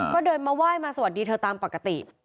ก็เดินมาไหว้มาสวัสดีเธอตามปกติ